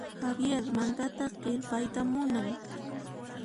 Javier mankata kirpayta munan.